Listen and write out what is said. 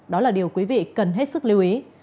đó là điều quý vị cần hết sức lưu ý